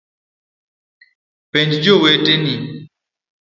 Penj joweteni